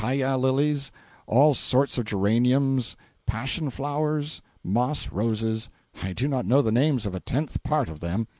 Calla lilies, all sorts of geraniums, passion flowers, moss roses—I do not know the names of a tenth part of them.